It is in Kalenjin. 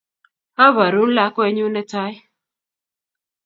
Aporun lakwenyu ne tai